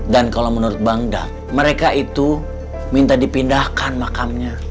dan kalau menurut bang dek mereka itu minta dipindahkan makamnya